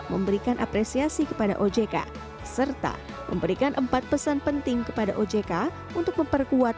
memberikan apresiasi kepada ojk serta memberikan empat pesan penting kepada ojk untuk memperkuat